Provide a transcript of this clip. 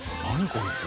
こいつ。